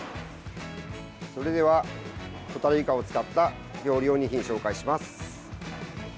それではホタルイカを使った料理を２品ご紹介します。